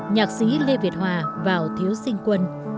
nhạc sĩ lê việt hòa vào thiếu sinh quân